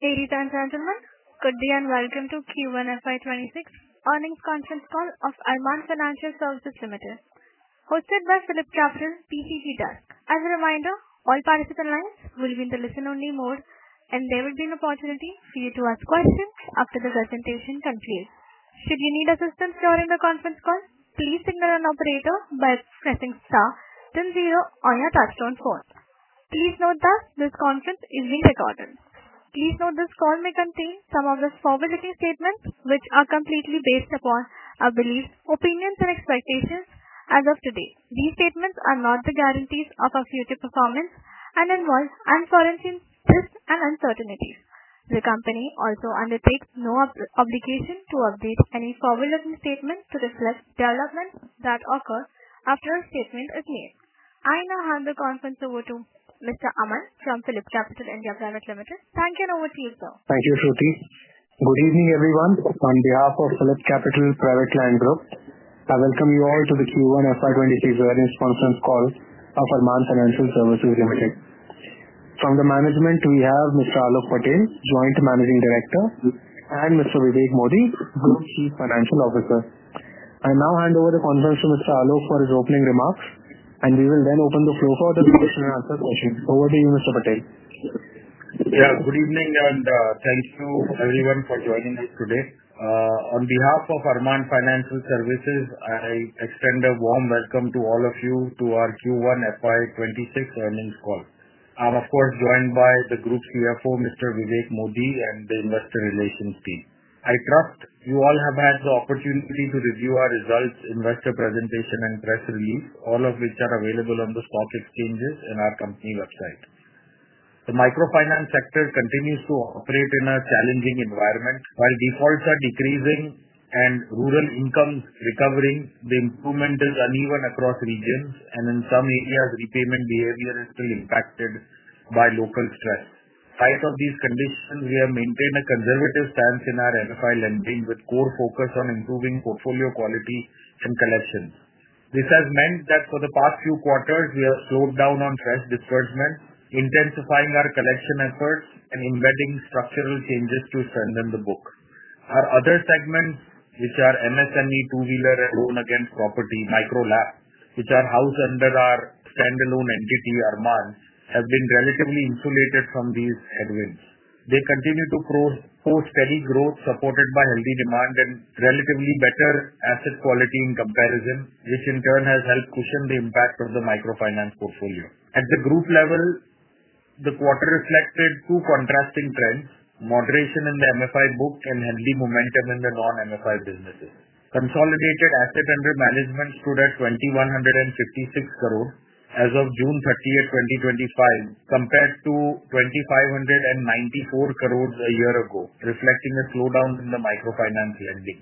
Ladies and gentlemen, good day and welcome to Q1 FY26 earnings conference call of Arman Financial Services Limited, hosted by Philip Capital India Private Limited. As a reminder, all participant lines will be in the listen-only mode, and there will be an opportunity for you to ask questions after the presentation continues. Should you need assistance during the conference call, please signal an operator by pressing *10 on your touchtone phone. Please note that this conference is being recorded. Please note this call may contain some of the forward-looking statements, which are completely based upon our beliefs, opinions, and expectations as of today. These statements are not the guarantees of our future performance and involve unforeseen risks and uncertainties. The company also undertakes no obligation to update any forward-looking statements to reflect developments that occur after a statement is made. I now hand the conference over to Mr. Aman from Philip Capital India Private Limited. Thank you and over to you, sir. Thank you, Shruti. Good evening, everyone. On behalf of Philip Capital India Private Limited, I welcome you all to the Q1 FY26 earnings conference call of Arman Financial Services Limited. From the management, we have Mr. Alok Patel, Joint Managing Director, and Mr. Vivek Modi, Chief Financial Officer. I now hand over the conference to Mr. Alok for his opening remarks, and we will then open the floor for the questions and answers. Over to you, Mr. Patel. Yeah, good evening and thank you, everyone, for joining us today. On behalf of Arman Financial Services Limited, I extend a warm welcome to all of you to our Q1 FY26 earnings call. I'm, of course, joined by the Group CFO, Mr. Vivek Modi, and the Investor Relations team. I trust you all have had the opportunity to review our results, investor presentation, and press release, all of which are available on the stock exchanges and our company website. The microfinance sector continues to operate in a challenging environment. While defaults are decreasing and rural incomes recovering, the improvement is uneven across regions, and in some areas, repayment behavior is still impacted by local stress. In spite of these conditions, we have maintained a conservative stance in our MFI lending, with a core focus on improving portfolio quality from collections. This has meant that for the past few quarters, we have slowed down on stress disbursement, intensifying our collection efforts, and embedding structural changes to strengthen the book. Our other segments, which are MSME, two-wheeler loans against property, Micro LAP, which are housed under our standalone entity, Arman, have been relatively insulated from these headwinds. They continue to post steady growth supported by healthy demand and relatively better asset quality in comparison, which in turn has helped cushion the impact of the microfinance portfolio. At the group level, the quarter reflected two contrasting trends: moderation in the MFI book and healthy momentum in the non-MFI businesses. Consolidated assets under management stood at INR 2,156 crores as of June 30, 2025, compared to INR 2,594 crores a year ago, reflecting a slowdown in the microfinance lending.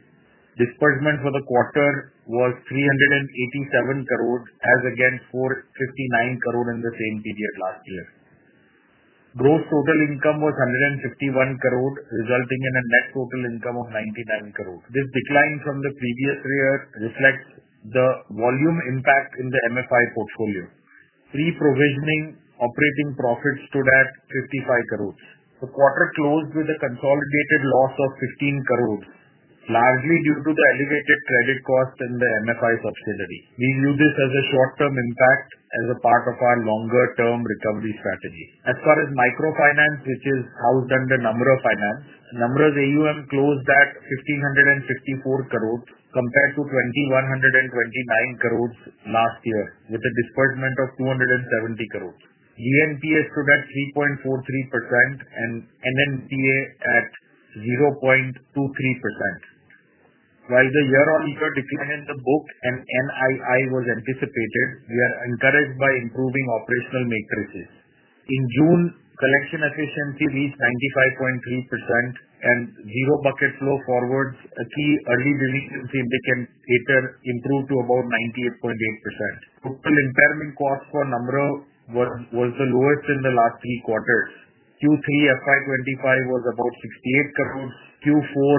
Disbursement for the quarter was 387 crores as against 459 crores in the same period last year. Gross total income was 151 crores, resulting in a net total income of 99 crores. This decline from the previous year reflects the volume impact in the MFI portfolio. Pre-provisioning operating profits stood at 55 crores. The quarter closed with a consolidated loss of 15 crores, largely due to the elevated credit cost in the MFI subsidiary. We view this as a short-term impact as a part of our longer-term recovery strategy. As far as microfinance, which is housed under Namra Finance, Namra's AUM closed at INR 1,554 crores compared to INR 2,129 crores last year, with a disbursement of INR 270 crores. GNPA stood at 3.43% and NNPA at 0.23%. While the year-on-year decrease in the book and NII was anticipated, we are encouraged by improving operational matrices. In June, collection efficiency reached 95.3% and zero bucket flow forwards, early release indicator improved to about 98.8%. Total impairment cost for Namra was the lowest in the last three quarters. Q3 FY25 was about INR 68 crore. Q4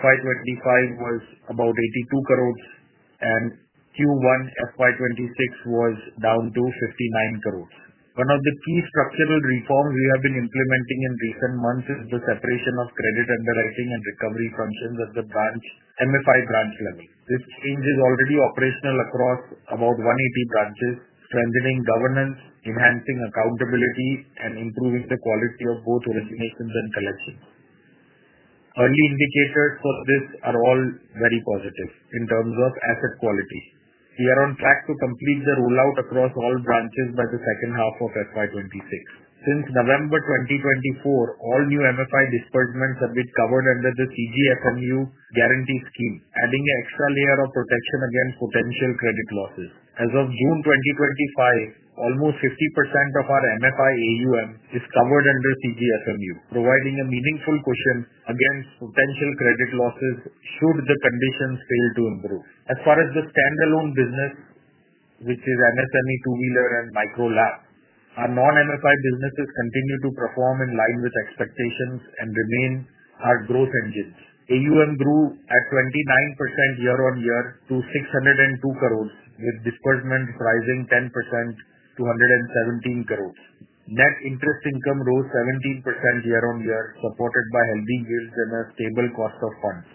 FY25 was about 82 crores. Q1 FY26 was down to 59 crores. One of the key structural reforms we have been implementing in recent months is the separation of credit underwriting and recovery functions at the MFI branch level. This change is already operational across about 180 branches, strengthening governance, enhancing accountability, and improving the quality of both origination and collections. Early indicators for this are all very positive in terms of asset quality. We are on track to complete the rollout across all branches by the second half of FY26. Since November 2024, all new MFI disbursements have been covered under the CGFMU guarantee scheme, adding an extra layer of protection against potential credit losses. As of June 2025, almost 50% of our MFI AUM is covered under CGFMU, providing a meaningful cushion against potential credit losses should the conditions fail to improve. As far as the standalone business, which is MSME, two-wheeler, and MicroLab, our non-MFI businesses continue to perform in line with expectations and remain our growth engines. AUM grew at 29% year-on-year to 602 crores, with disbursements rising 10% to 117 crores. Net interest income rose 17% year-on-year, supported by healthy yields and a stable cost of funds.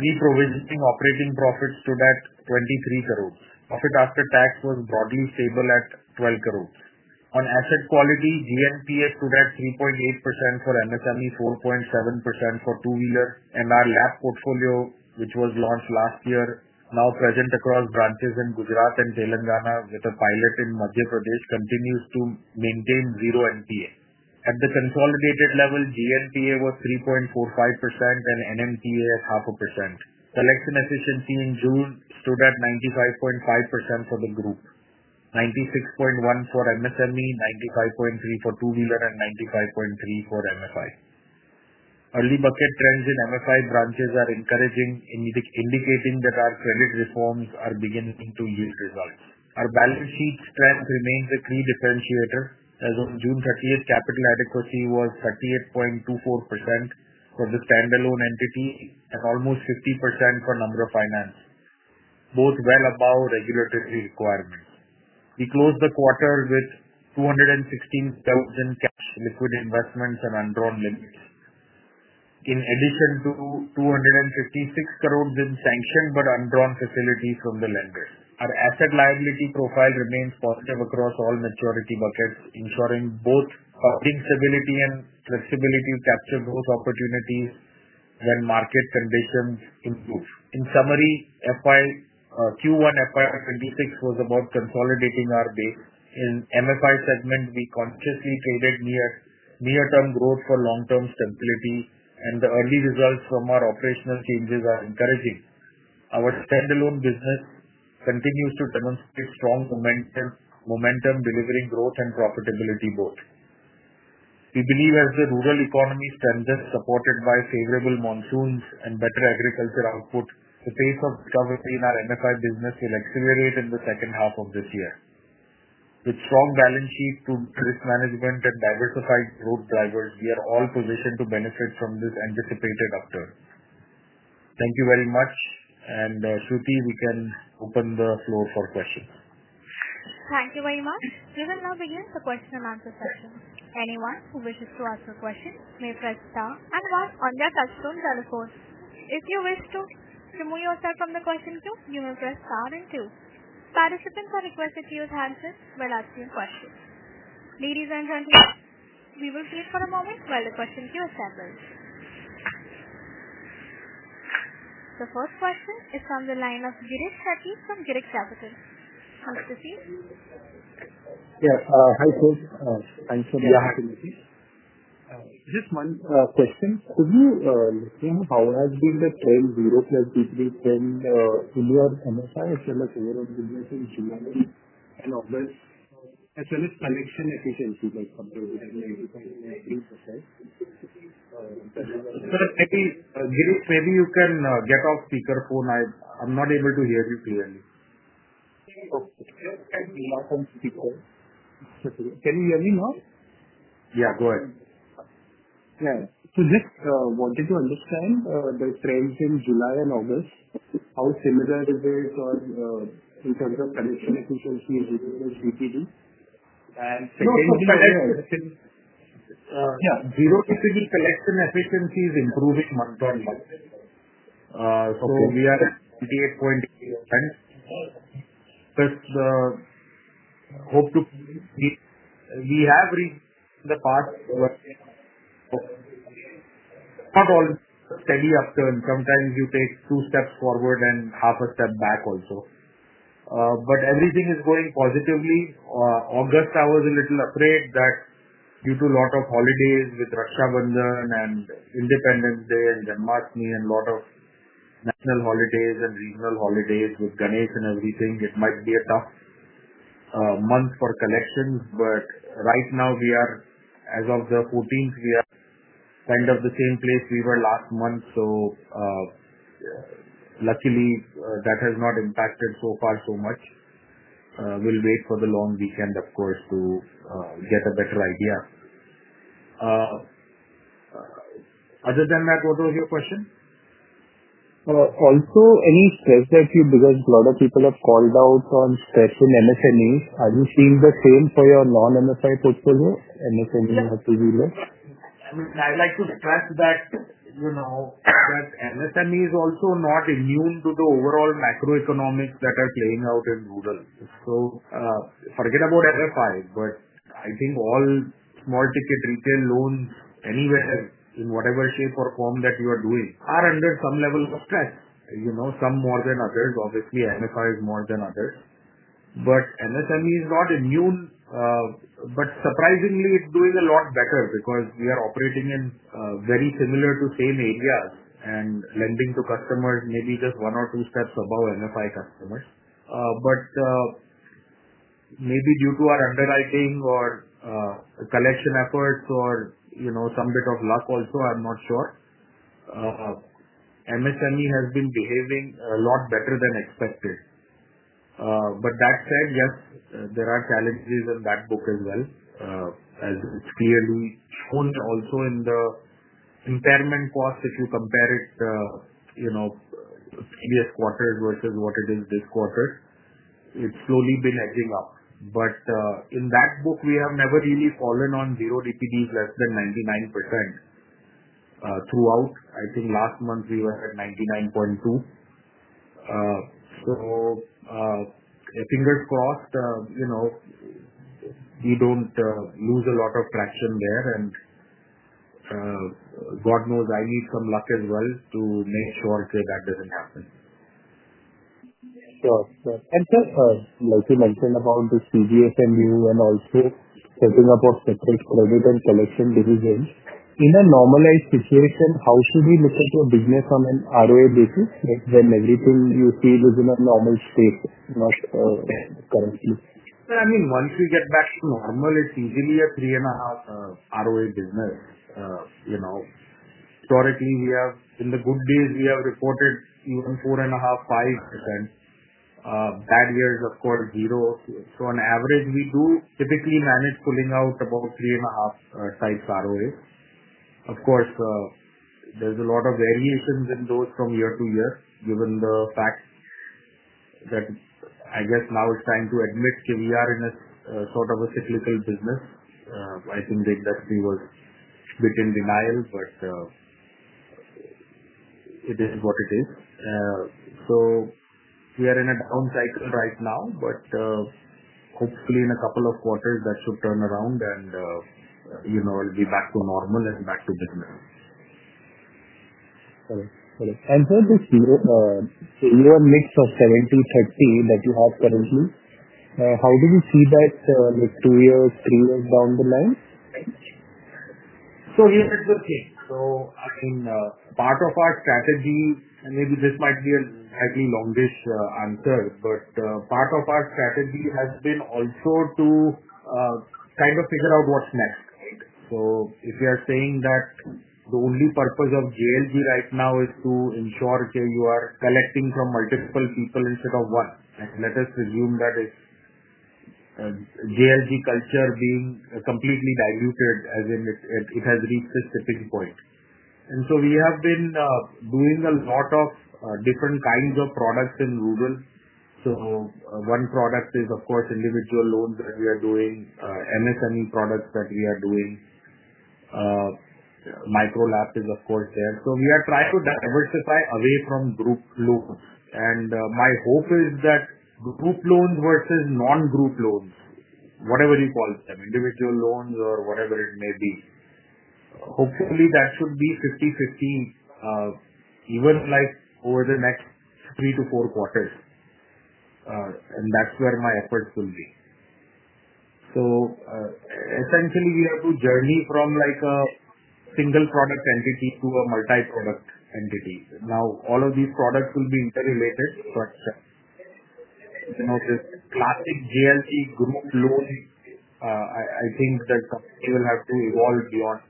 Pre-provisioning operating profits stood at 23 crores. Profit after tax was broadly stable at 12 crores. On asset quality, GNPA stood at 3.8% for MSME, 4.7% for two-wheeler, and our Micro LAP portfolio, which was launched last year, now present across branches in Gujarat and Telangana, with a pilot in Madhya Pradesh, continues to maintain zero NPA. At the consolidated level, GNPA was 3.45% and NNPA at 0.5%. Collection efficiency in June stood at 95.5% for the group, 96.1% for MSME, 95.3% for two-wheeler, and 95.3% for MFI. Early bucket trends in MFI branches are encouraging, indicating that our credit reforms are beginning to yield results. Our balance sheet strength remains a key differentiator. As of June 30, capital adequacy was 38.24% for the standalone entity and almost 50% for Namra Finance, both well above regulatory requirements. We closed the quarter with 216,000 cash, liquid investments, and undrawn limits, in addition to 256 crores in sanctioned but undrawn facilities from the lender. Our asset liability profile remains positive across all maturity buckets, ensuring both fixed stability and flexibility to capture growth opportunities when market conditions improve. In summary, Q1 FY2026 was about consolidating our base. In the MFI segment, we consciously tailored near-term growth for long-term stability, and the early results from our operational changes are encouraging. Our standalone business continues to demonstrate strong momentum, delivering growth and profitability both. We believe as the rural economy strengthens, supported by favorable monsoons and better agriculture outputs, the pace of recovery in our MFI business will accelerate in the second half of this year. With strong balance sheets, risk management, and diversified growth drivers, we are all positioned to benefit from this anticipated after. Thank you very much, and Shruti, we can open the floor for questions. Thank you very much. We will now begin the question and answer session. Anyone who wishes to ask a question may press star and one on their touchtone dial code. If you wish to remove yourself from the call center, you may press star and two. Participants are requested to use handsets while asking questions. Ladies and gentlemen, we will wait for a moment while the call center assembles. The first question is from the line of Girish Shetty from Girik Capital. Yeah, hi, folks. I'm sure we are happy with this. This is one question. Could you let him? How has been the time zero plus D310, overall MSME, as well as overall business in Chennai, and of course, SNS connection is also very complex. Girish, maybe you can get off speakerphone. I'm not able to hear you clearly. I'm not on speaker one. Can you hear me now? Yeah, go ahead. Yeah, just wanted to understand the trends in July and August. How similar is it in terms of collection efficiency? Yeah, zero to two gig collection efficiency is improving month on month. We are at 98.8%. We have reached the path, but not all steady upturn. Sometimes you take two steps forward and half a step back also. Everything is going positively. August, I was a little afraid that due to a lot of holidays with Rakshabandhan and Independence Day and Janmashtami and a lot of national holidays and regional holidays with Ganesh and everything, it might be a tough month for collections. Right now, we are, as of the 14th, kind of the same place we were last month. Luckily, that has not impacted so far so much. We'll wait for the long weekend, of course, to get a better idea. Other than that, what was your question? Also, any stress that you, because a lot of people have called out on stress in MSMEs. Are you seeing the same for your non-MFI portfolio? MSMEs have to be low. I'd like to stress that MSME is also not immune to the overall macroeconomics that are playing out in rural. Forget about RFI, but I think all small ticket retail loans anywhere in whatever shape or form that you are doing are under some level of stress, some more than others. Obviously, MSME is more than others. MSME is not immune. Surprisingly, it's doing a lot better because we are operating in very similar to same areas and lending to customers maybe just one or two steps above MSME customers. Maybe due to our underwriting or collection efforts or, you know, some bit of luck also, I'm not sure. MSME has been behaving a lot better than expected. That said, yes, there are challenges in that book as well. As we've clearly shown also in the impairment cost, if you compare it, previous quarters versus what it is this quarter, it's slowly been edging up. In that book, we have never really fallen on zero DPDs less than 99%. Throughout, I think last month we were at 99.2%. At cost, we don't lose a lot of traction there. God knows, I need some luck as well to make sure that doesn't happen. Just like you mentioned about the CGFMU guarantee scheme and also setting up our special credit and collection diligence, in a normalized situation, how should we look into a business on an ROA basis when everything you see is in a normal state? I mean, once we get back to normal, it's easily a 3.5% ROA business. You know, historically, we have, in the good years, reported even 4.5%, 5%. Bad years, of course, zero. On average, we do typically manage pulling out about 3.5% types of ROAs. Of course, there's a lot of variations in those from year to year given the fact that I guess now it's time to admit we are in a sort of a cyclical business. I think that we were put in denial, but it is what it is. We are in a down cycle right now, but hopefully in a couple of quarters that should turn around and, you know, it'll be back to normal and back to business. This zero-to-zero mix of 70/30, what you have currently, how do you see that like two years, three years down the line? Here is the thing. Part of our strategy, maybe this might be an ugly longest answer, but part of our strategy has been also to kind of figure out what's next. Right? If we are saying that the only purpose of JLG right now is to ensure that you are collecting from multiple people instead of one, let us assume that a JLG culture being completely diluted, as in it has reached a specific point. We have been doing a lot of different kinds of products in rural. One product is, of course, individual loans that we are doing. MSME products that we are doing. Micro LAP is, of course, there. We are trying to diversify away from group loans. My hope is that group loans versus non-group loans, whatever you call them, individual loans or whatever it may be, hopefully that should be 50/50 even over the next three to four quarters. That's where my efforts will be. Essentially, we have to journey from a single product entity to a multi-product entity. All of these products will be interrelated, but you know this classic JLG group loan, I think that it will have to evolve beyond.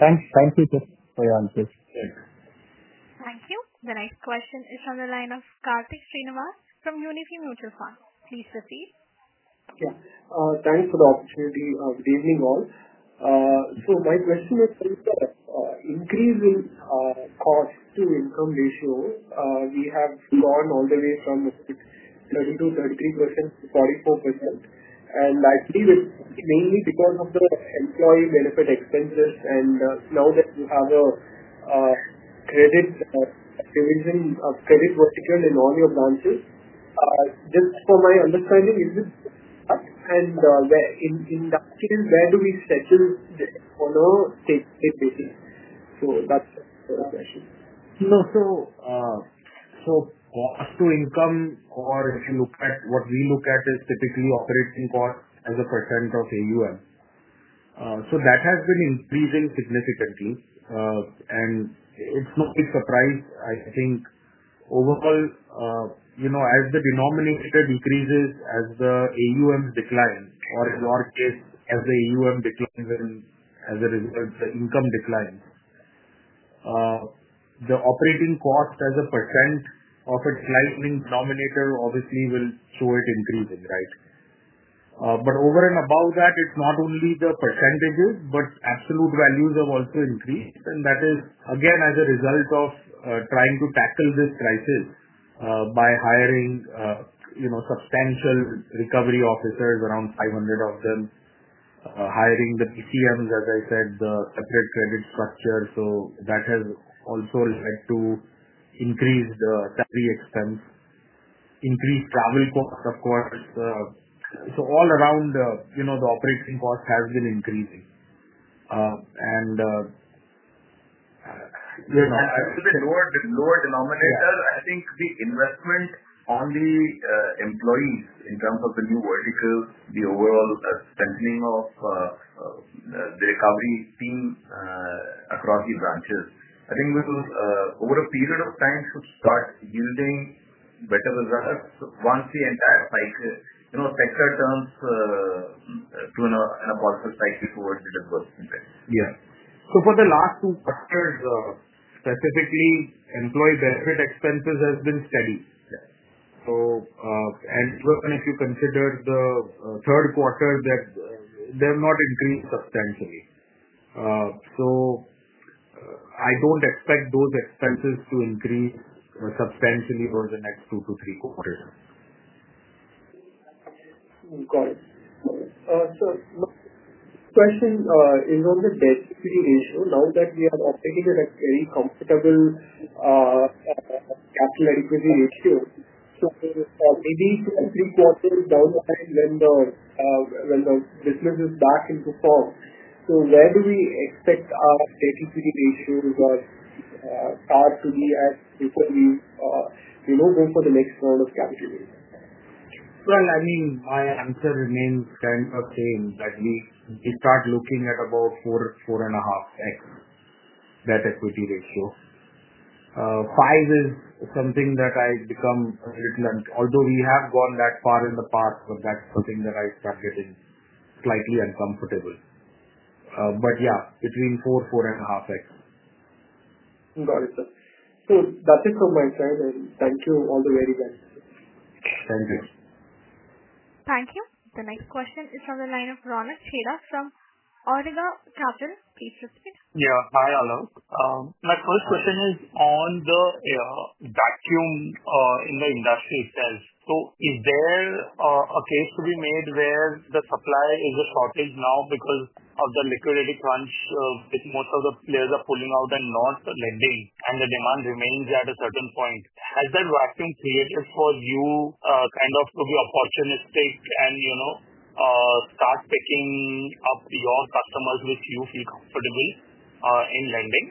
Thanks. Thank you. Thank you. The next question is from the line of Karthik Srinivas from Unifi Mutual Fund. Please proceed. Yeah. Thanks for the opportunity. I'm really involved. My question is, since the increase in cost-to-income ratio, we have gone all the way from 32%, 33% to 44%. I see this mainly because of the employee benefit expenses. Now that you have a presence of provisioning of service vertical in all your branches, just for my understanding, is it? In that case, where do we settle on steady-state basis? That's the question. No. Cost-to-income, or what we look at, is typically operating cost as a % of AUM. That has been increasing significantly. It's no big surprise, overall, as the denominator increases, as the AUMs decline, or if not just as the AUM declines, as the income declines, the operating cost as a % of its lightening denominator obviously will show it increasing, right? Over and above that, it's not only the percentages, but absolute values have also increased. That is, again, as a result of trying to tackle this crisis by hiring substantial recovery officers, around 500 of them, hiring the BCMs, as I said, the approved credit structure. That has also led to increased salary expense, increased travel costs, of course. All around, the operating cost has been increasing. With a lower denominator, the investment on the employees in terms of the new vertical, the overall strengthening of the recovery team across the branches, I think we will, over a period of time, should start yielding better results once the entire cycle, in terms to an appropriate cycle towards the diversification. For the last two quarters, specifically, employee benefit expenses have been steady. If you consider the third quarter, they're not increased substantially. I don't expect those expenses to increase substantially for the next two to three quarters. Got it. Question in terms of debt-free ratio, now that we are operating at a very comfortable debt-free ratio, maybe two or three quarters down when the business is back into form, where do we expect our debt-free ratio to go? It's hard to be as equitable. We won't wait for the next round of calculation. My answer remains kind of saying that we start looking at about 4.5x debt equity ratio. Five is something that I've become a little bit, although we have gone that far in the path, but that's something that I start getting slightly uncomfortable. Yeah, between 4, 4.5x. Got it, sir. That's it from my side, and thank you. All the very best. Thank you. Thank you. The next question is from the line of Ronak Chheda from Awriga Capital. Please proceed. Hi, Alok. My first question is on the vacuum in the industry itself. Is there a case to be made where the supply is shortage now because of the liquidity crunch, if most of the players are pulling out and not lending and the demand remains at a certain point? Has that vacuum created for you to be opportunistic and start picking up your customers which you feel comfortable in lending?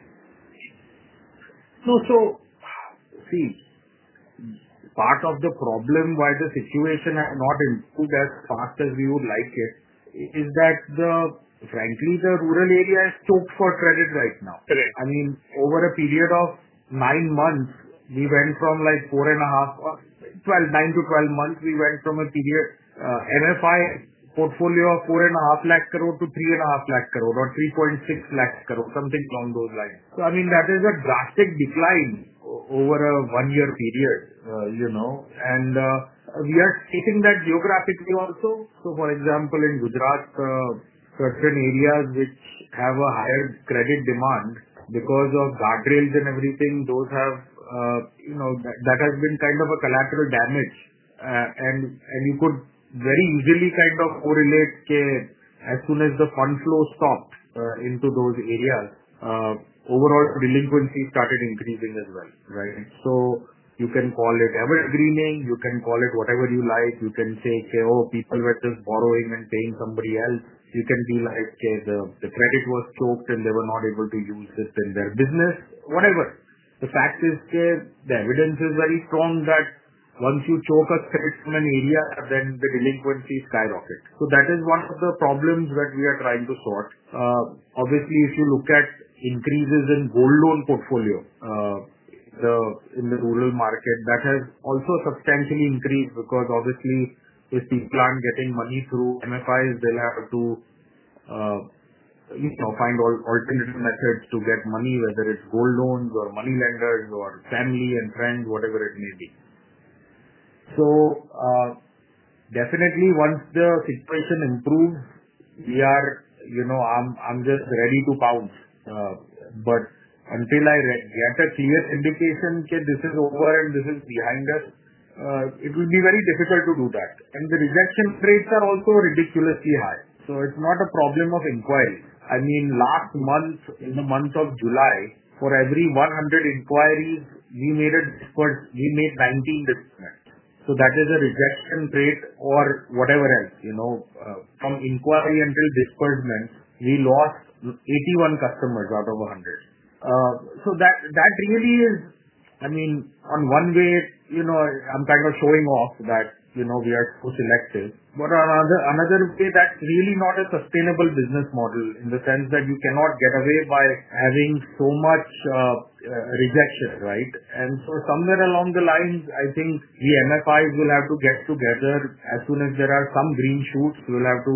Part of the problem why the situation has not improved as fast as we would like it is that, frankly, the rural area is choked for credit right now. Over a period of nine months, we went from like 4.5 lakh crore, well, nine to twelve months, we went from a period, MFI portfolio of 4.5 lakh crore to 3.5 lakh crore or 3.6 lakh crore, something along those lines. That is a drastic decline over a one-year period, you know. We are seeing that geographically also. For example, in Gujarat, certain areas which have a higher credit demand because of guardrails and everything, that has been kind of a collateral damage. You could very easily correlate as soon as the fund flow stopped into those areas, overall delinquency started increasing as well, right? You can call it evergreening. You can call it whatever you like. You can say, "Oh, people were just borrowing and paying somebody else." You can be like, "The credit was choked and they were not able to use this in their business," whatever. The fact is that the evidence is very strong that once you choke credit in an area, then the delinquency skyrockets. That is one of the problems that we are trying to sort. Obviously, if you look at increases in gold loan portfolio in the rural market, that has also substantially increased because, obviously, if people aren't getting money through MFIs, they'll have to find all three methods to get money, whether it's gold loans or money lenders or family and friends, whatever it may be. Definitely, once the situation improves, we are, you know, I'm just ready to pounce. Until I get a clear indication that this is over and this is behind us, it will be very difficult to do that. The rejection rates are also ridiculously high. It's not a problem of inquiry. Last month, in the month of July, for every 100 inquiries, we made 19 disappointments. That is a rejection rate or whatever, you know, from inquiry until disappointment, we lost 81 customers out of 100. That really is, I mean, on one way, you know, I'm kind of showing off that, you know, we are so selective. On another way, that's really not a sustainable business model in the sense that you cannot get away by having so much rejection, right? Somewhere along the lines, I think the MFIs will have to get together. As soon as there are some green shoots, we'll have to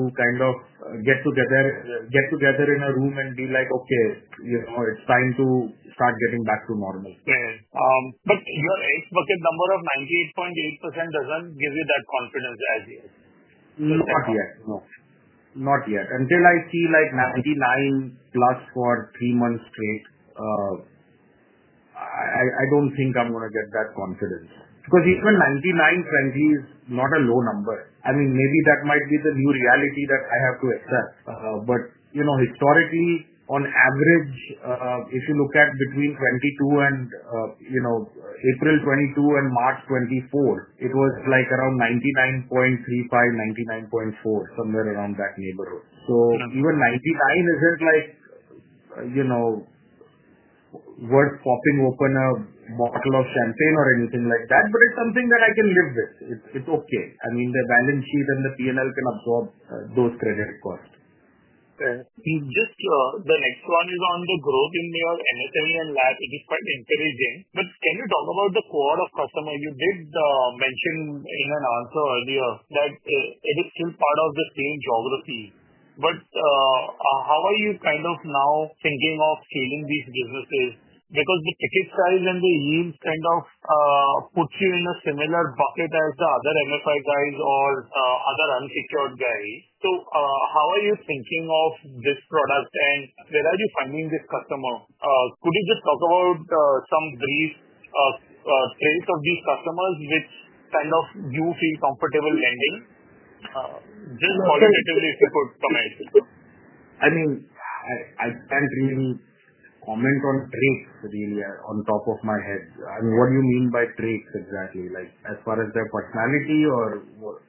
get together in a room and be like, "Okay, you know, it's time to start getting back to normal." Yeah, but your ex-market number of 98.8% doesn't give you that confidence as yet? Not yet. Not yet. Until I see like 99%+ for three months straight, I don't think I'm going to get that confidence. Because even 99%, frankly, is not a low number. I mean, maybe that might be the new reality that I have to accept. Historically, on average, if you look at between 2022 and, you know, April 2022 and March 2024, it was like around 99.35%, 99.4%, somewhere around that neighborhood. Even 99% isn't like, you know, worth popping open a bottle of champagne or anything like that, but it's something that I can live with. It's okay. The balance sheet and the P&L can absorb those credit costs. Okay. Just the next one is on the growth in your MSME and LAP. It is quite intelligent. Can you talk about the core of customer? You did mention in an answer earlier that it is still part of the same geography. How are you kind of now thinking of scaling these businesses? The ticket size and the yields kind of put you in a similar bucket as the other MFI guys or other unsecured guys. How are you thinking of this product and where are you finding this customer? Could you just talk about some brief traits of these customers which kind of you feel comfortable lending? Alternatively, if you could comment. I can't really comment on traits on top of my head. What do you mean by traits exactly? Like as far as their personality or what?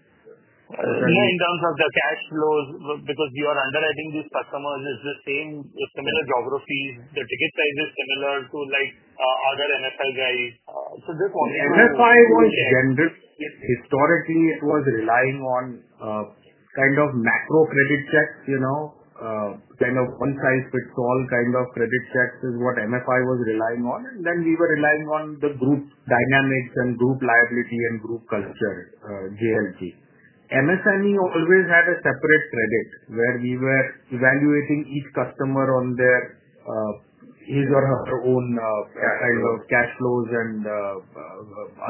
In terms of the cash flows, because you are underwriting these customers, is the same similar geographies. The ticket size is similar to like other MFI guys. This one MFI was generous. Historically, it was relying on kind of macro credit checks, you know, kind of one-size-fits-all credit checks is what MFI was relying on. We were relying on the group dynamics and group liability and group culture, JLG. MSME always had a separate credit where we were evaluating each customer on their, his or her own, cash flows and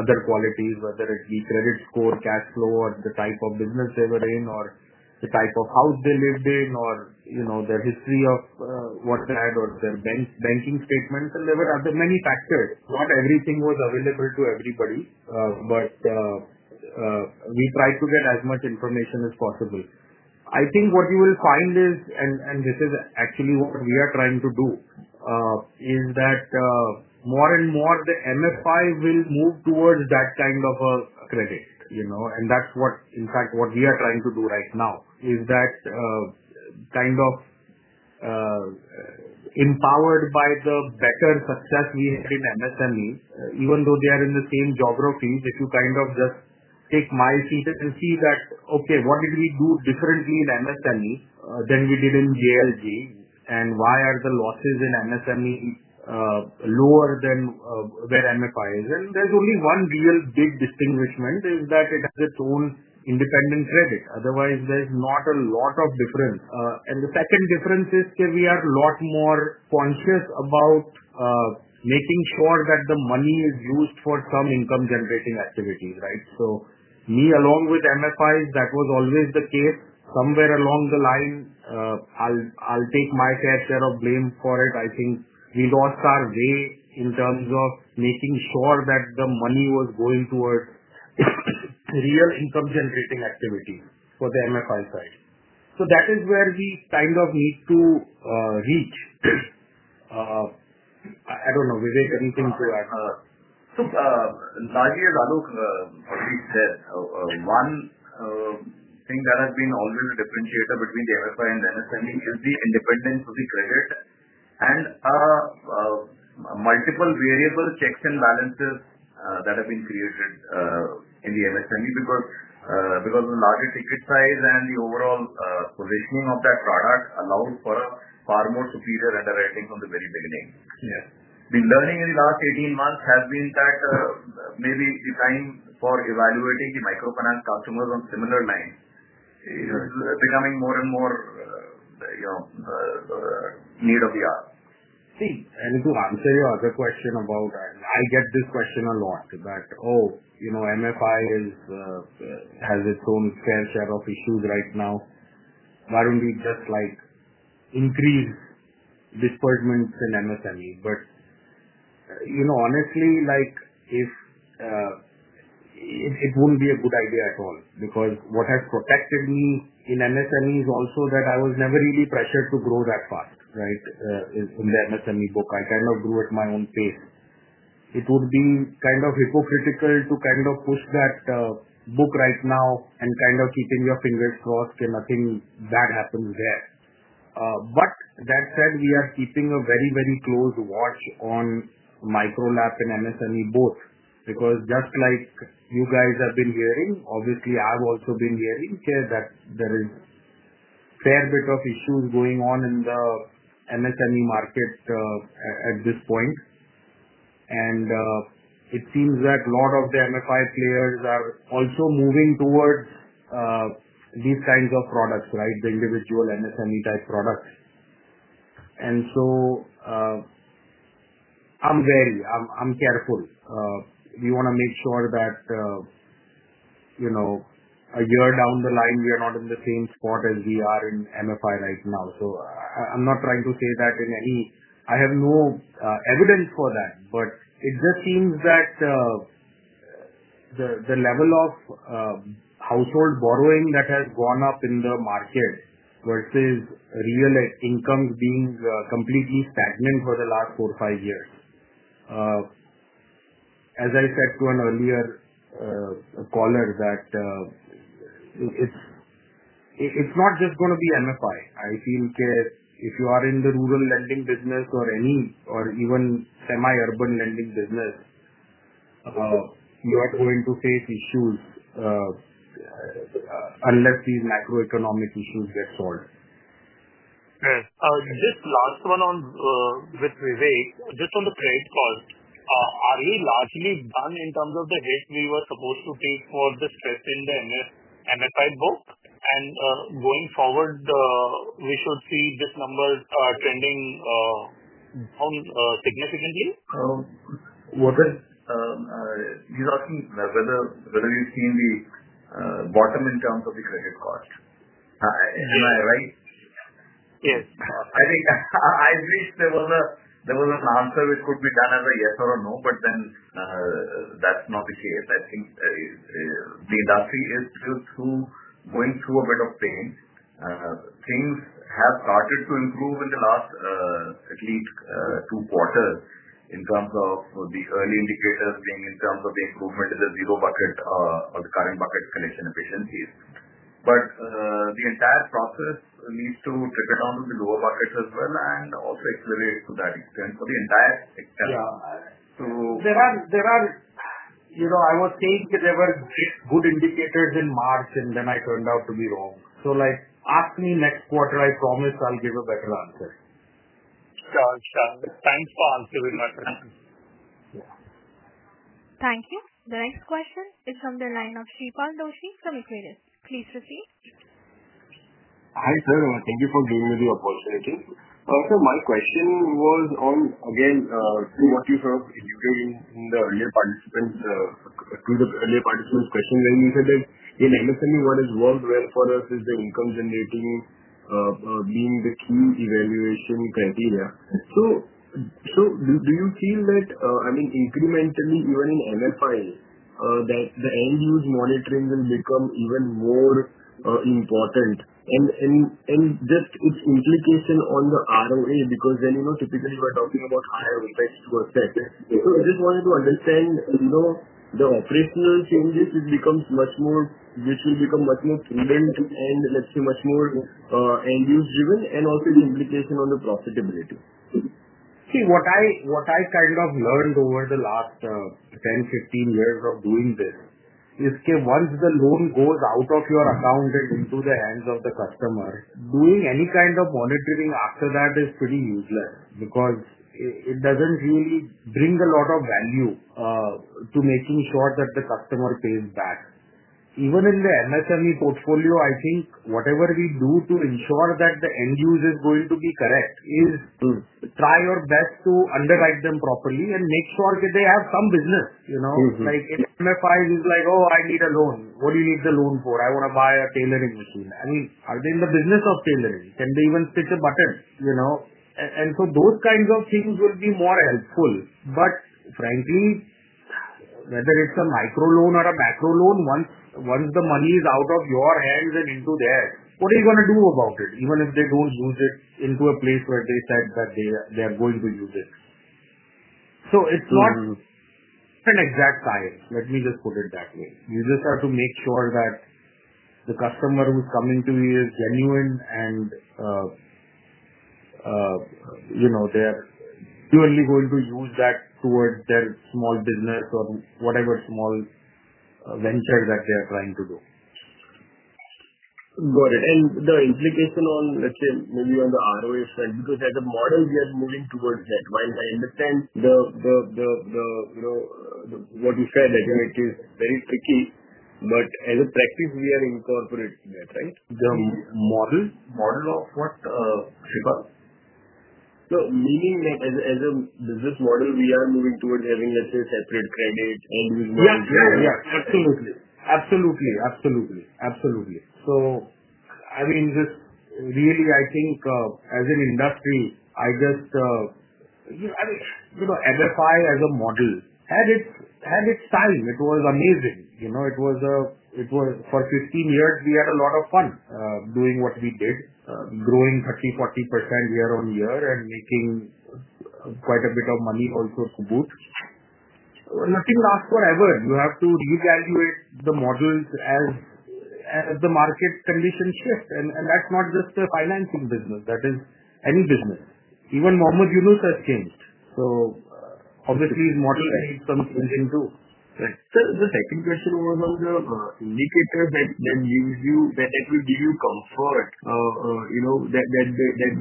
other quality, whether it be credit score, cash flow, or the type of business they were in, or the type of house they lived in, or their history of what they had, or their banking statement. There were many other factors. Not everything was available to everybody, but we tried to get as much information as possible. I think what you will find is, and this is actually what we are trying to do, is that more and more the MFI will move towards that kind of a credit, you know. That's what, in fact, what we are trying to do right now is that, kind of, empowered by the better success we had in MSME, even though they are in the same geographies, if you just take my seat and see that, okay, what did we do differently in MSME than we did in JLG? Why are the losses in MSME lower than where MFI is? There's only one real big distinguishment, that it has its own independent credit. Otherwise, there's not a lot of difference. The second difference is that we are a lot more conscious about making sure that the money is used for some income-generating activities, right? Along with MFIs, that was always the case. Somewhere along the line, I'll take my share of blame for it. I think we lost our way in terms of making sure that the money was going towards real income-generating activity for the MFI side. That is where we kind of need to reach. I don't know, Vivek, anything to add? Like you said, one thing that has been always a differentiator between the MFI and MSME is the independence of the credit and multiple variable checks and balances that have been created in the MSME because of the larger ticket size and the overall positioning of that product allows for a far more superior underwriting from the very beginning. The learning in the last 18 months has been that mainly designed for evaluating the microfinance customers on similar lines. You know, we are becoming more and more, you know, or a key of the art. See, to answer your other question about, I get this question a lot that, oh, you know, MFI has its own fair share of issues right now. Why don't we just increase disbursements in MSME? Honestly, it won't be a good idea at all because what has protected me in MSME is also that I was never really pressured to grow that fast, right? In the MSME book, I kind of grew at my own pace. It would be kind of hypocritical to push that book right now and keep your fingers crossed and hope nothing bad happens there. That said, we are keeping a very, very close watch on MicroLab and MSME both because just like you guys have been hearing, obviously, I've also been hearing that there is a fair bit of issues going on in the MSME market at this point. It seems that a lot of the MFI players are also moving towards these kinds of products, the individual MSME type products. I'm wary. I'm careful. You want to make sure that, a year down the line, we are not in the same spot as we are in MFI right now. I'm not trying to say that in any, I have no evidence for that, but it just seems that the level of household borrowing has gone up in the market versus real incomes being completely stagnant for the last four or five years. As I said to an earlier caller, it's not just going to be MFI. I feel if you are in the rural lending business or even semi-urban lending business, you are going to face issues unless these macroeconomic issues get solved. This last one with Vivek, just on the credit scores, are we largely done in terms of the risk we were supposed to take for this test in the MFI book? Going forward, we should see this number trending down significantly. What are these options? Whether you've seen the bottom in terms of the credit cost? Am I right? Yes. I think I wish there was an answer which could be done as a yes or a no, but that's not the case. I think the industry is still going through a bit of pain. Things have started to improve in the last, at least, two quarters in terms of the early indicators being in terms of the improvement in the zero bucket or the current bucket collection efficiencies. The entire process needs to take a look at the lower buckets as well and also accelerate to that extent for the entire. Yeah, I was saying there were good indicators in March, and I turned out to be wrong. Ask me next quarter, I promise I'll give a better answer. Thanks for answering my question. Thank you. The next question is from the line of Shreepal Doshi from Equirus. Please proceed. Hi, sir. Thank you for giving me the opportunity. Sir, my question was on, again, to what you saw in the earlier participant question when you said that in MSME, what has worked well for us is the income generating being the key evaluation criteria. Do you feel that, incrementally even in MFI, that the end-use monitoring will become even more important? Just its implication on the ROA because then, you know, typically we're talking about ROA per se. I just wanted to understand the operational changes which become much more, which will become much more prudent and let's say much more end-use-driven and also the implication on the profitability. See, what I kind of learned over the last 10, 15 years of doing this is, once the loan goes out of your account and into the hands of the customer, doing any kind of monitoring after that is pretty useless because it doesn't really bring a lot of value to making sure that the customer pays back. Even in the MSME portfolio, I think whatever we do to ensure that the end-use is going to be correct is to try your best to underwrite them properly and make sure that they have some business. You know, like if MFI is like, "Oh, I need a loan. What do you need the loan for? I want to buy a tailoring machine." I mean, are they in the business of tailoring? Can they even stitch a button? Those kinds of things would be more helpful. Frankly, whether it's a microloan or a macroloan, once the money is out of your hands and into theirs, what are you going to do about it? Even if they don't use it in a place where they said that they're going to use it. It's not an exact science. Let me just put it that way. You just have to make sure that the customer who's coming to you is genuine and, you know, they're purely going to use that towards their small business or whatever small venture that they're trying to do. Got it. The implication on, let's say, maybe when the ROA is felt because as a model, we are moving towards that. I understand what you said. I think it is very tricky. As a practice, we are incorporating it, right? The model of what Shreepal? Meaning that as a business model, we are moving towards having, let's say, separate credit and doing more. Yeah, absolutely. I think, as an industry, MFI as a model had its time. It was amazing. For 15 years, we had a lot of fun doing what we did, growing 30%, 40% year on year and making quite a bit of money also to boot. Nothing lasts forever. You have to reevaluate the models as the markets tend to shift. That's not just the finance business. That is any business. Even Muhammad Yunus has changed. Obviously, his model comes into. The second question was on your indicators that you use that will give you comfort, you know, that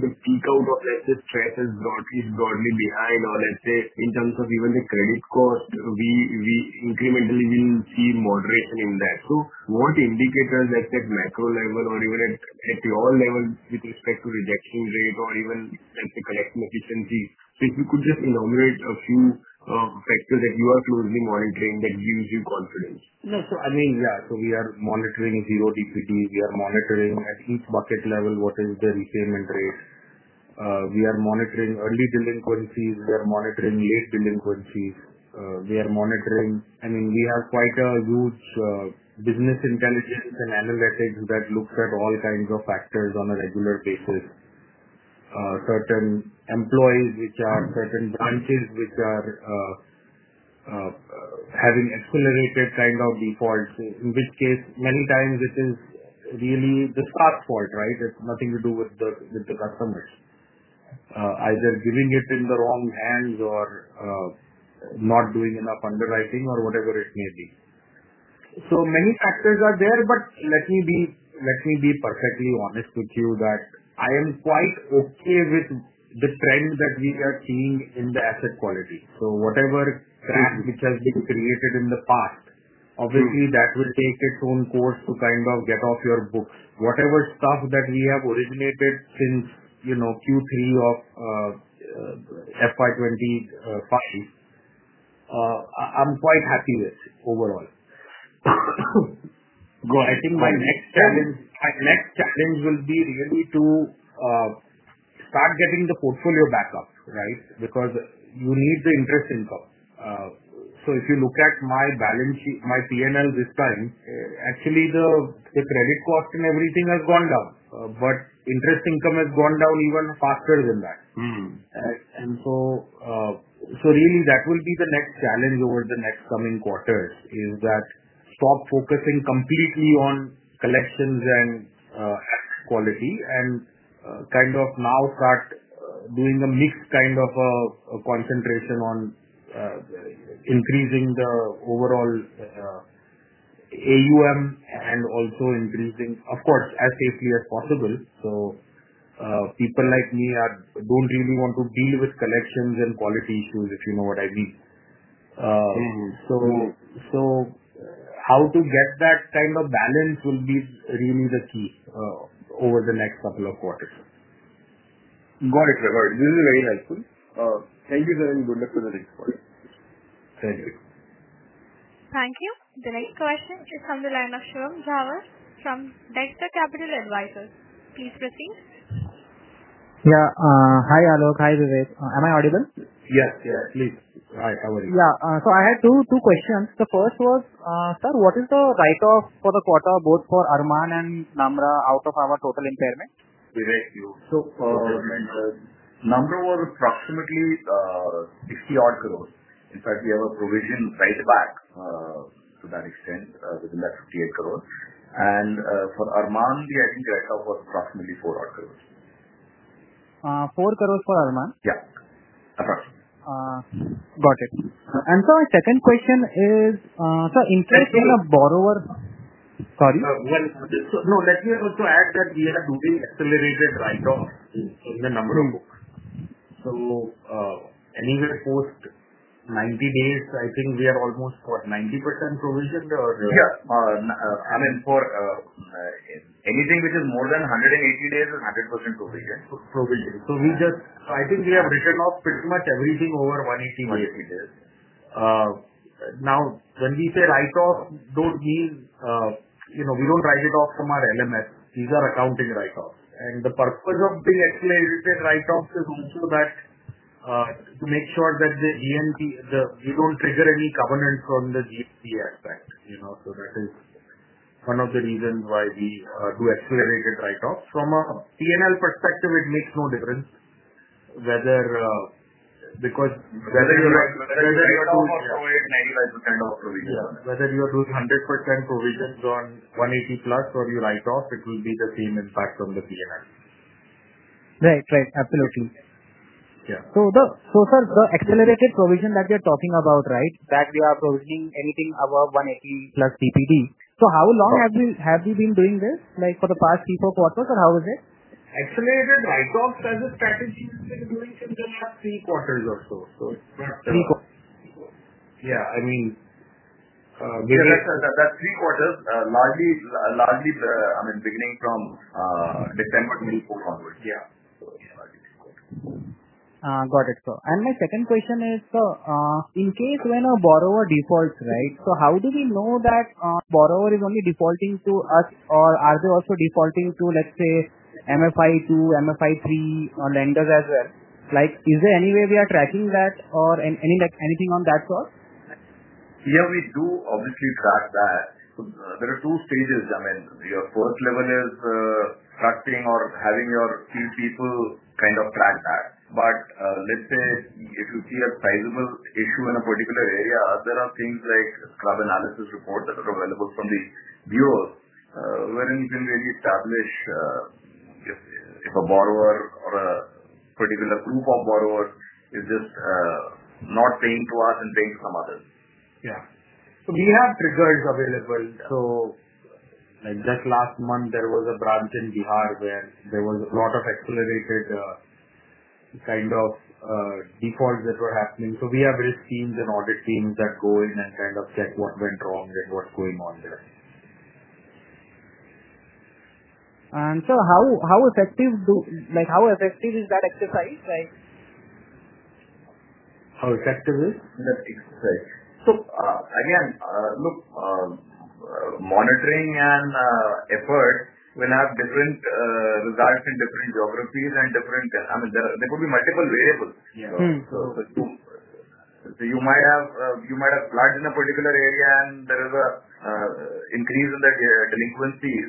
the sea count of, let's say, stress is broadly behind or, let's say, in terms of even the credit score, we incrementally will see moderate in that. What indicators at that macro level or even at your level with respect to rejection rate or even, let's say, collection efficiency, if we could just enumerate a few factors that you are closely monitoring that gives you confidence? No, I mean, yeah, we are monitoring zero DPD. We are monitoring at each bucket level what is the retainment rate. We are monitoring early delinquencies. We are monitoring late delinquencies. We are monitoring, I mean, we have quite a good business intelligence and analytics that looks at all kinds of factors on a regular basis. Certain employees, certain branches, which are having accelerated kind of defaults, in which case many times it is really the staff's fault, right? It's nothing to do with the customers, either giving it in the wrong hands or not doing enough underwriting or whatever it may be. Many factors are there, but let me be perfectly honest with you that I am quite okay with the trend that we are seeing in the asset quality. Whatever that which has been created in the past, obviously, that will take its own course to kind of get off your books. Whatever stuff that we have originated since, you know, Q3 of FY2025, I'm quite happy with overall. I think my next challenge will be really to start getting the portfolio back up, right? Because we need the interest income. If you look at my balance sheet, my P&L this time, actually, the credit cost and everything has gone down, but interest income has gone down even faster than that. That will be the next challenge over the next coming quarters, to stop focusing completely on collections and quality and kind of now start doing a mixed kind of a concentration on increasing the overall AUM and also increasing, of course, as safely as possible. People like me don't really want to deal with collections and quality issues, if you know what I mean. How to get that kind of balance will be really the key over the next couple of quarters. Got it, sir. Got it. This is very helpful. Thank you, sir, and good luck for the next quarter. Thank you. Thank you. The next question is from the line of Shubham Jhawar from Dexter Capital Advisors. Please proceed. Yeah. Hi, Alok. Hi, Vivek. Am I audible? Yes, yes, please. Yeah. I had two questions. The first was, sir, what is the write-off for the quarter both for Arman and Namra out of our total impairment? Vivek, you also for Namra. Namra was approximately 60-odd crores. In fact, we have a provision right back, to that extent, within that 58 crores. For Arman, I think the write-off was approximately INR 4 crores. 4 crores for Arman? Yeah. Got it. My second question is, in case in the borrower, sorry? Yeah. Let me also add that we are doing accelerated write-off in the number of books. Anywhere post 90 days, I think we are almost 90% provisioned, or for anything which is more than 180 days, it's 100% provisioned. Provisioned. I think we have written off pretty much everything over 180 days. Now, when we say write-off, I don't mean, you know, we don't write it off from our LMS. These are accounting write-offs. The purpose of the accelerated write-offs is also to make sure that the GMP, we don't trigger any covenants on the GST aspect. That is one of the reasons why we do accelerated write-offs. From a P&L perspective, it makes no difference whether, because whether you're doing 100% or provisioned. Whether you're doing 100% provisions on 180 plus or you write off, it will be the same impact from the P&L. Right, right. Absolutely. Yeah. Sir, the accelerated provision that we are talking about, right, that we are provisioning anything above 180+ DPD. How long have we been doing this? For the past three or four quarters, or how is it? Accelerated write-offs as a strategy, we're doing it just three quarters or so. Yeah, I mean, given that three quarters are largely, I mean, beginning from the 10th week of quarter. Yeah. Got it. My second question is, in case when a borrower defaults, how do we know that a borrower is only defaulting to us or are they also defaulting to, let's say, MFI2, MFI3, or lenders as well? Is there any way we are tracking that or anything on that core? Yeah, we do obviously track that. There are two stages. I mean, your first level is tracking or having your team people kind of track that. If you see a sizable issue in a particular area, there are things like scrub analysis reports that are available from the bureaus, wherein you can really establish if a borrower or a particular group of borrowers is just not saying to us and paying some others. Yeah, we have triggers available. Last month there was a branch in Bihar where there was a lot of accelerated defaults that were happening. We have these teams and audit teams that go in and check what went wrong and what's going on there. How effective do, like, how is that exercise? How effective is? That exercise. Look, monitoring and effort will have different results in different geographies and different, I mean, there could be multiple variables. You might have plugged in a particular area and there is an increase in the delinquencies.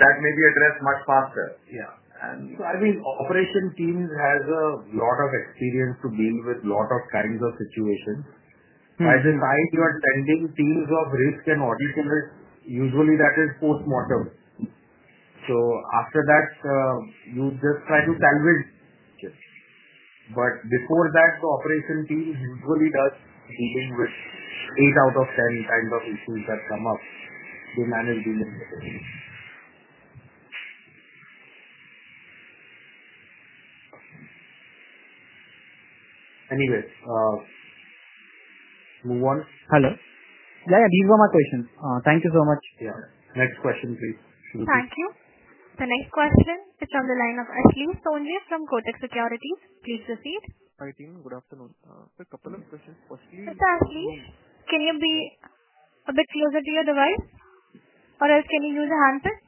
That may be addressed much faster. Yeah, so operation teams have a lot of experience to deal with a lot of kinds of situations. As a client, you are tending teams of risk and auditors. Usually that is post-mortem. After that, you just try to tackle it. Before that, the operation team usually does dealing with 8 out of 10 kinds of issues that come up with managing. Anyway, move on. Hello. Yeah, yeah, these were my questions. Thank you so much, Srinivas. Next question, please. Thank you. The next question is on the line of Ashlesh Sonje from Kotak Securities. Please proceed. Hi, team. Good afternoon. A couple of questions. Firstly, Sir, please, can you be a bit closer to your device? Or else can you use a handset?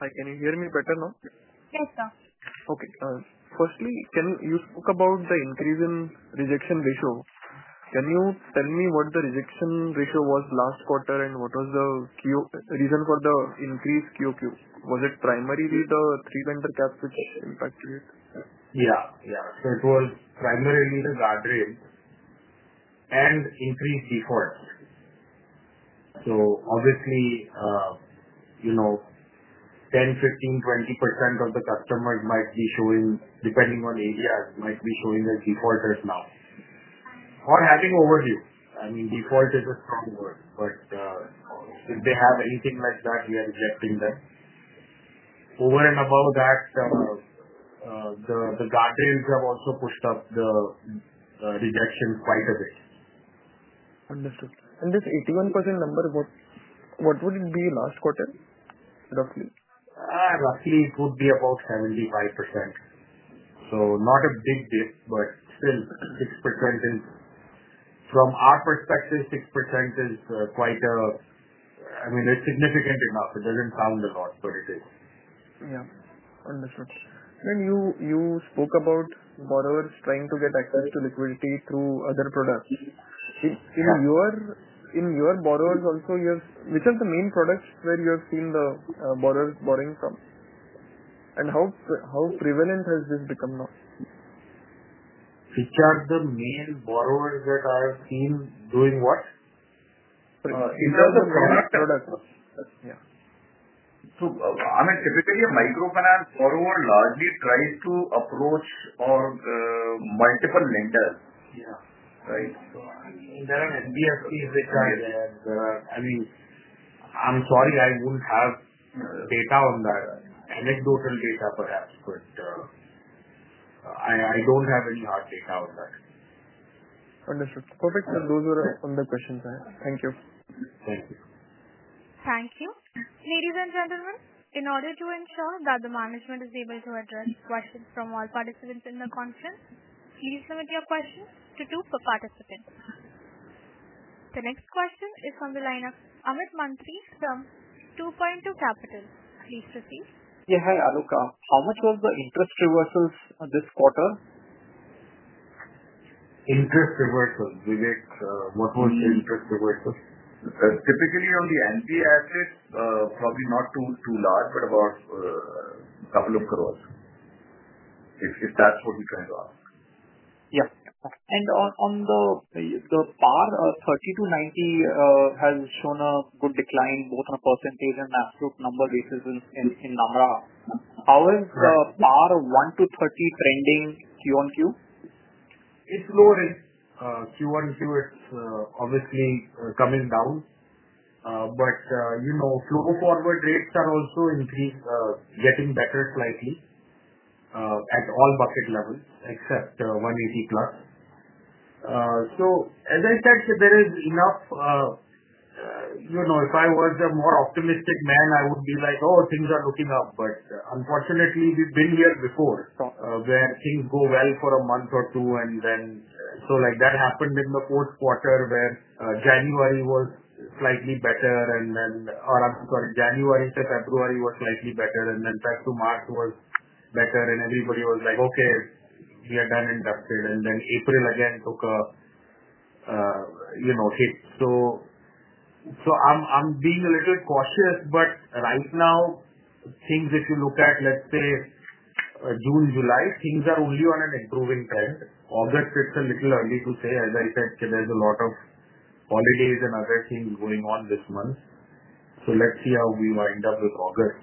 Hi, can you hear me better now? Yes, sir. Okay. Firstly, can you talk about the increase in rejection ratio? Can you tell me what the rejection ratio was last quarter and what was the reason for the increased Q-on-Q? Was it primarily the three vendor gaps which impacted it? Yeah, it was primarily the guardrails and increased defaults. Obviously, you know, 10%, 15%, 20% of the customers might be showing, depending on areas, might be showing their defaulters now or having overdue. I mean, default is a strong word, but if they have anything like that, we are rejecting them. Over and above that, the guardrails have also pushed up the rejections quite a bit. Understood. This 81% number, what would it be last quarter, roughly? It would be about 75%. Not a big dip, but still 6% is, from our perspective, 6% is quite a, I mean, it's significant enough. It doesn't sound a lot, but it is. Yeah. Understood. When you spoke about borrowers trying to get access to liquidity through other products, in your borrowers also, you have, which are the main products where you have seen the borrowers borrowing from? How prevalent has this become now? Which are the main borrowers that I have seen doing what? In terms of products. Yeah. Typically, a microfinance borrower largely tries to approach multiple lenders. Yeah. Right? I mean, there are NPAs, right? I'm sorry, I wouldn't have data on that, anecdotal data, but I don't have any hard data on that. Understood. Perfect. Those are all the questions I have. Thank you. Thank you. Ladies and gentlemen, in order to ensure that the management is able to address questions from all participants in the conference, please limit your questions to two per participant. The next question is from the line of Amit Mantri from 2Point2 Capital. Please proceed. Yeah. Hi, Alok. How much was the interest reversals this quarter? Interest reversals, Vivek, what was the interest reversal? Typically, on the NPAs, probably not too large, but about a couple of crores. If that's what you can do. Yeah. The PAR 30 to 90 has shown a good decline, both on a percentage and absolute number basis in Namra. How is the PAR 1 to 30 trending Q-on-Q? It's lowering. Q-on-Q, it's obviously coming down. Flow forward rates are also increasing, getting better slightly at all bucket levels except 180 plus. As I said, there is enough, you know, if I was a more optimistic man, I would be like, "Oh, things are looking up." Unfortunately, we've been here before where things go well for a month or two. That happened in the fourth quarter where January was slightly better, and then, or I'm sorry, January to February was slightly better, and then fact to March was better, and everybody was like, "Okay, we are done in that field." April again took a hit. I'm being a little cautious, but right now, things if you look at, let's say, June, July, things are only on an improving trend. August, it's a little early to say as I said because there's a lot of holidays and other things going on this month. Let's see how we wind up with August.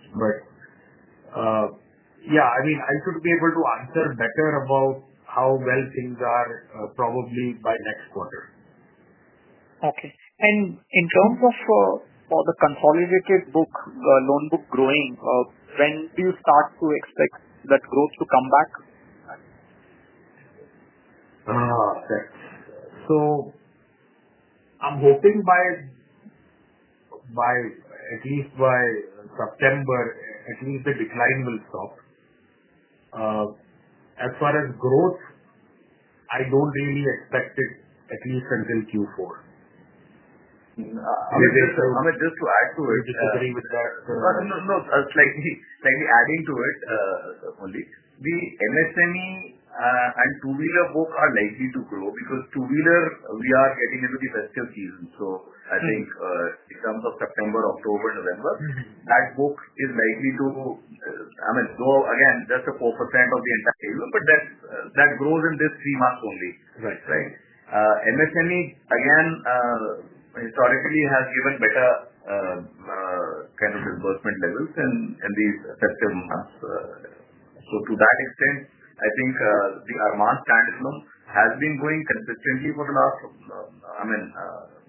I should be able to answer better about how well things are probably by next quarter. In terms of the consolidated loan book growing, when do you start to expect that growth to come back? I'm hoping by at least September, at least the decline will stop. As far as growth, I don't really expect it at least until Q4. I mean, just to add to it, if you agree with the. No, slightly adding to it, only the MSME and two-wheeler AUM are likely to grow because two-wheeler, we are getting into the festive season. I think in terms of September, October, November, that AUM is likely to, I mean, go again, just a 4% of the entire table, but that grows in these three months only. Right. Right. MSME, again, historically has given better, kind of investment levels in these festive months. To that extent, I think the Arman standalone has been going consistently for the last, I mean,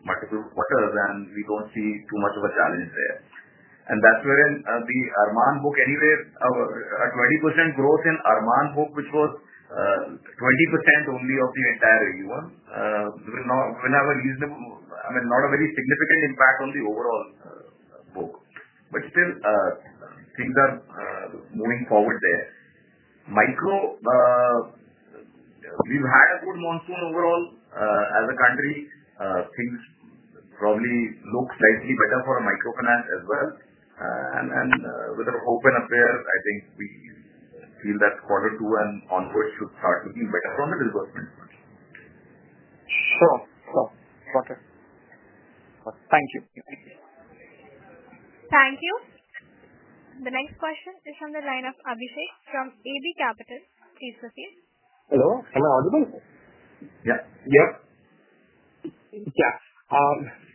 multiple quarters, and we don't see too much of a challenge there. That's where the Arman book anywhere at 20% growth in Arman book, which was 20% only of the entire AUM, will not have a reasonable, I mean, not a very significant impact on the overall book. Still, things are moving forward there. Micro, we've had a good monsoon overall, as a country. Things probably look slightly better for microfinance as well. With our open affairs, I think we feel that quarter two and onward should start looking better from the reverse perspective. Sure. Sure. Got it. Thank you. Thank you. The next question is from the line of Abhishek from AB Capital. Please proceed. Hello. Am I audible? Yeah. Yeah. Yes.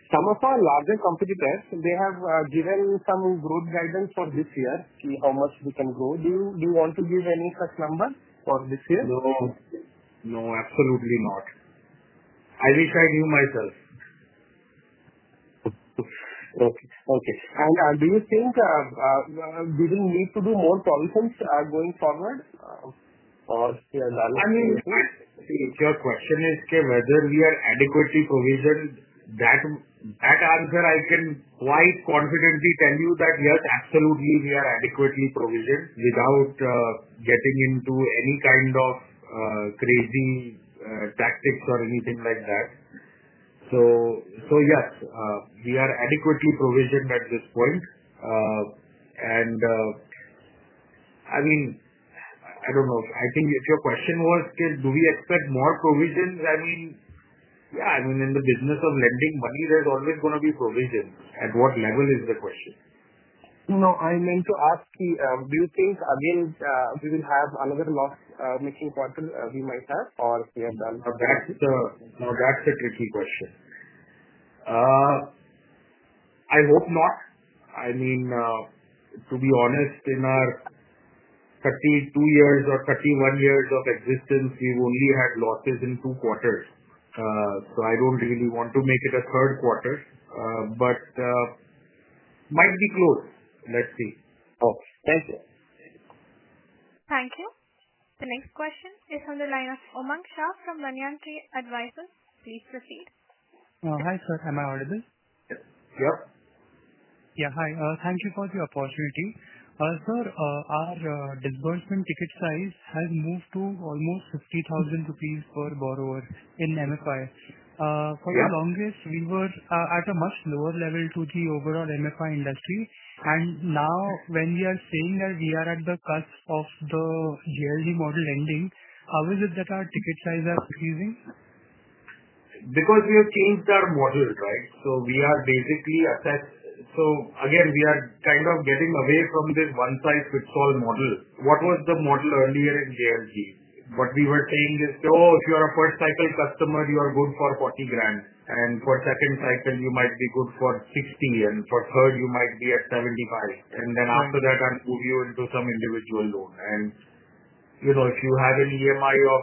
Some of our larger competitors have given some growth guidance for this year, see how much we can grow. Do you want to give any such numbers for this year? No, absolutely not. I wish I knew myself. Okay. Do you think we don't need to do more toll hoops going forward? If your question is, okay, whether we are adequately provisioned, that answer I can quite confidently tell you that, yes, absolutely, we are adequately provisioned without getting into any kind of crazy tactics or anything like that. Yes, we are adequately provisioned at this point. I don't know. I think if your question was, okay, do we expect more provisions? I mean, yeah, in the business of lending money, there's always going to be provision. At what level is the question? No, I meant to ask, do you think we will have another loss this quarter, we might have or? Yeah, no, that's a tricky question. I hope not. I mean, to be honest, in our 32 years or 31 years of existence, we've only had losses in two quarters. I don't really want to make it a third quarter, but it might be close. Let's see. Oh, thank you. Thank you. The next question is from the line of Umang Shah from Banyan Tree Advisors. Please proceed. Hi, sir. Am I audible? Yep. Yeah. Hi. Thank you for the opportunity. Sir, our disbursement ticket size has moved to almost 50,000 rupees per borrower in MFI. For the longest, we were at a much lower level to the overall MFI industry. Now, when we are saying that we are at the cusp of the JLG model ending, how is it that our ticket size is increasing? Because we have changed our model, right? We are basically assessed. We are kind of getting away from this one-size-fits-all model, which was the model earlier in JLG. We were saying this, "Oh, if you are a first cycle customer, you are good for 40,000. For second cycle, you might be good for 60,000. For third, you might be at 75,000. After that, I'll put you into some individual loan. If you have an EMI of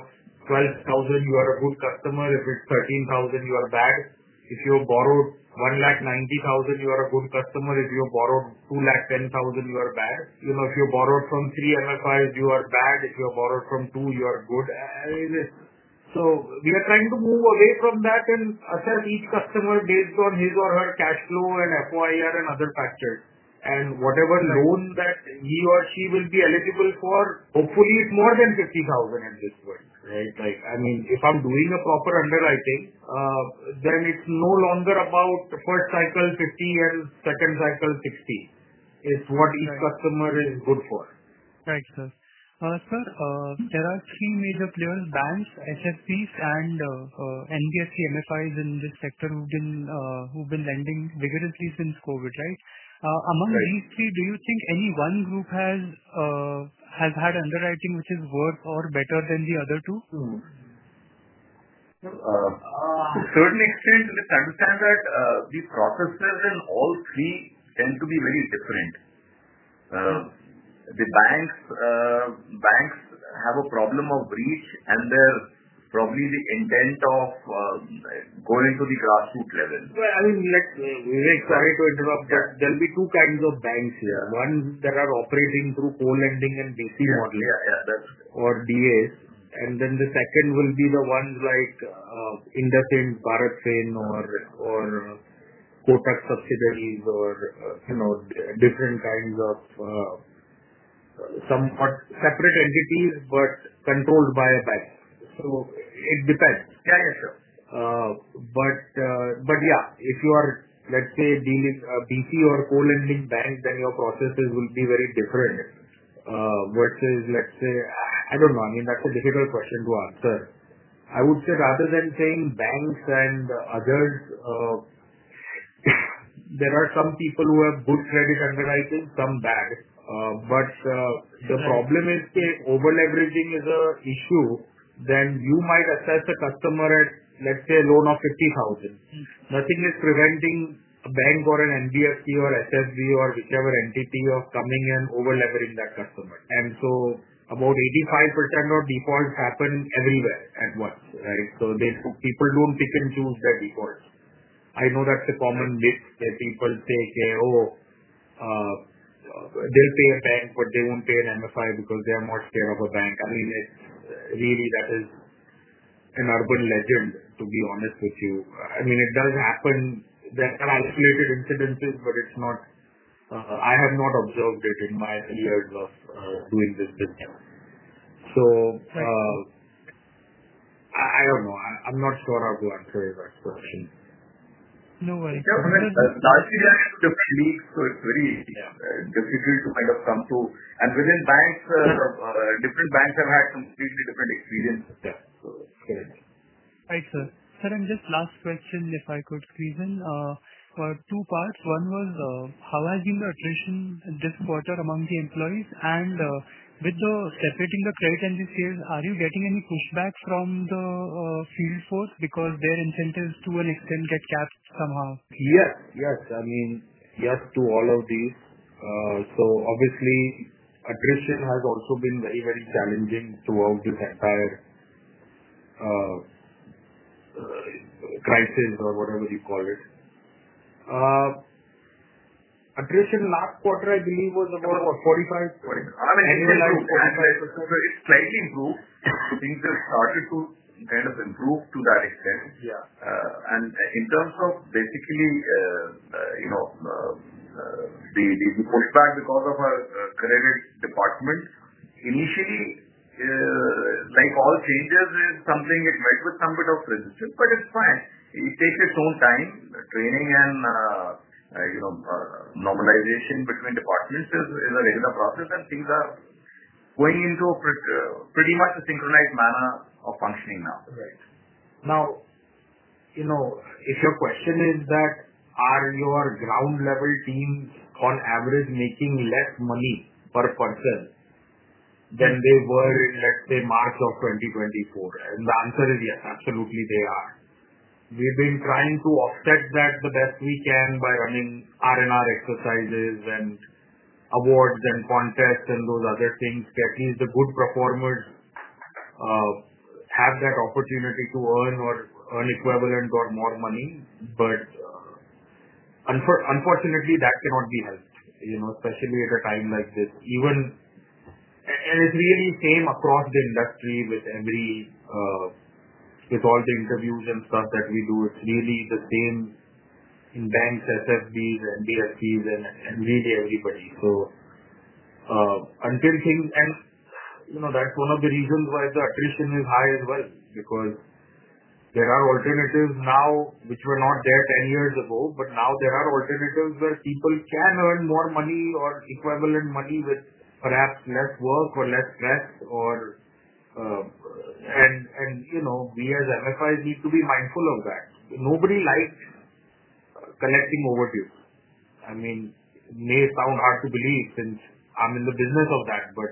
12,000, you are a good customer. If it's 13,000, you are bad. If you borrowed 190,000, you are a good customer. If you borrowed 210,000, you are bad. If you borrowed from three MFIs, you are bad. If you borrowed from two, you are good." We are trying to move away from that and assess each customer based on his or her cash flow and FYI and other factors. Whatever loan that he or she will be eligible for, hopefully, it's more than 50,000 at this point, right? I mean, if I'm doing a proper underwriting, then it's no longer about first cycle 50,000 and second cycle 60,000. It's what each customer is good for. Thank you, sir. There are three major players: Bounce, SFPs, and NBFC MFIs in this sector who've been lending vigorously since COVID, right? Among these three, do you think any one group has had underwriting which is worse or better than the other two? To a certain extent, I understand that the processes in all three tend to be very different. The banks have a problem of reach, and they're probably the intent of going to the grassroots level. I mean, Vivek, sorry to interrupt. There'll be two kinds of banks here. One, that are operating through co-lending and DC modeling or DA. The second will be the ones like Indus sain, Bharat sain, or Kotak subsidiaries, or different kinds of some separate entities, but controlled by a bank. It depends. Yeah, sure. If you are, let's say, a DC or co-lending bank, then your processes will be very different versus, let's say, I don't know. I mean, that's a difficult question to answer. I would say rather than saying banks and others, there are some people who have good credit underwriting. The problem is the over-leveraging is an issue. You might assess a customer at, let's say, a loan of 50,000. Nothing is preventing a bank or an NBFC or SFB or whichever entity of coming and over-levering that customer. About 85% of defaults happen everywhere at once. People don't pick and choose their defaults. I know that's a common myth. There are people who say, "Oh, they'll pay a bank, but they won't pay an MFI because they are not scared of a bank." That is an urban legend, to be honest with you. It does happen. There are isolated incidences, but it's not, I have not observed it in my years of doing this business. I don't know. I'm not sure how to answer your question. No worries. It's very difficult to kind of come to. Within banks, different banks have had completely different experiences there. It's scary. All right, sir. Sir, just last question, if I could, Susan, for two parts. One was, how has been the attrition this quarter among the employees? With the separating the credit and DCs, are you getting any pushback from the field force because their incentives to an extent get capped somehow? Yes, yes. I mean, yes to all of these. Obviously, attrition has also been very, very challenging throughout this entire crisis or whatever you call it. Attrition last quarter, I believe, was about 45. I mean, annualized 45%. It's slightly improved. Things have started to kind of improve to that extent. Yeah. In terms of basically, you know, the pushback because of our credit department, initially, like all changes in something, it met with some bit of resistance, but it's fine. It takes its own time. Training and, you know, normalization between departments is a regular process, and things are going into a pretty much a synchronized manner of functioning now. Right. Now, if your question is that, are your ground-level teams on average making less money per person than they were, let's say, March of 2024? The answer is, yeah, absolutely, they are. We've been trying to offset that the best we can by running R&R exercises and awards and contests and those other things so at least the good performers have that opportunity to earn or earn equivalent or more money. Unfortunately, that cannot be helped, especially at a time like this. It's really the same across the industry with every, with all the interviews and stuff that we do. It's really the same in banks, SFBs, NBFCs, and really everybody. That's one of the reasons why the attrition is high as well because there are alternatives now which were not there 10 years ago, but now there are alternatives where people can earn more money or equivalent money with perhaps less work or less stress. We as MFIs need to be mindful of that. Nobody likes collecting, over to you. I mean, it may sound hard to believe since I'm in the business of that, but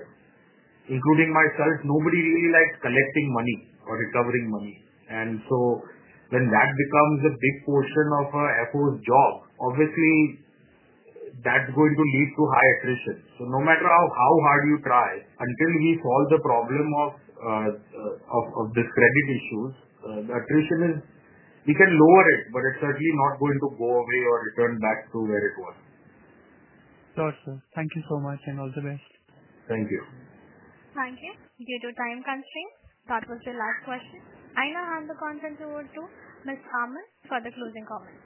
including myself, nobody really likes collecting money or recovering money. That becomes a big portion of an FO's job. Obviously, that's going to lead to high attrition. No matter how hard you try, until we solve the problem of these credit issues, the attrition is, we can lower it, but it's certainly not going to go away or return back to where it was. Sure, sure. Thank you so much and all the best. Thank you. Thank you. Due to time constraint, that was the last question. I now hand the content over to Mr. Aman for the closing comments.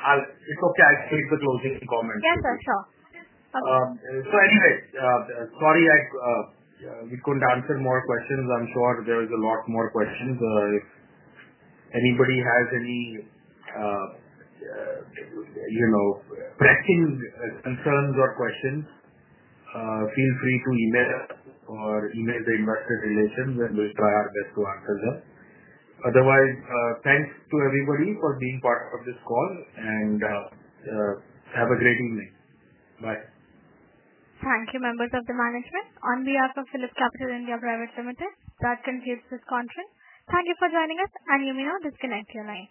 It's okay. I'll take the closing comment. Yes, sir. Anyway, sorry I couldn't answer more questions. I'm sure there's a lot more questions. If anybody has any pressing concerns or questions, feel free to email us or email the investor relations. We'll try our best to answer them. Otherwise, thanks to everybody for being part of this call and have a great evening. Bye. Thank you, members of the management. On behalf of Philip Capital India Private Limited, that concludes this conference. Thank you for joining us, and you may now disconnect your line.